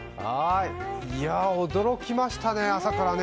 驚きましたね、朝から。